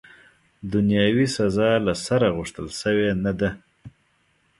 دنیاوي سزا، له سره، غوښتل سوې نه ده.